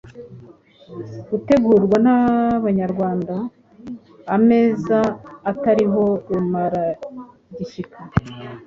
Gutegurwa n’Abanyarwanda. Ameza atariho Rumaragishyika